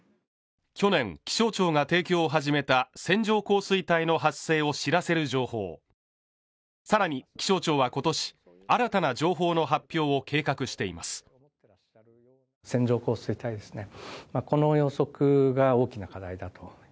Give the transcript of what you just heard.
去年気象庁が提供を始めた線状降水帯の発生を知らせる情報さらに気象庁は今年新たな情報の発表を計画しています